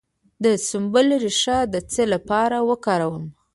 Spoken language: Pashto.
د سنبل ریښه د څه لپاره وکاروم؟